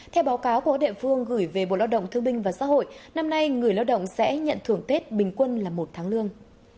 theo báo cáo của các địa phương gửi về bộ lao động thương binh và xã hội năm nay người lao động sẽ nhận thưởng tết bình quân là một tháng lương